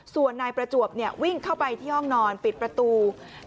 ส่วนนายประจวบวิ่งเข้าไปที่ห้องนอนปิดประตู